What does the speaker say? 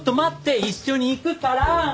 一緒に行くから！